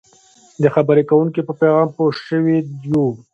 د خبرې کوونکي په پیغام پوه شوي یو.